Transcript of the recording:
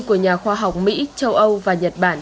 của nhà khoa học mỹ châu âu và nhật bản